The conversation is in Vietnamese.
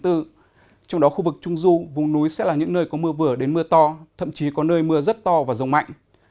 trong đó khu vực trung du vùng núi sẽ là những nơi có mưa vừa đến mưa to thậm chí có nơi mưa rất to và rông mạnh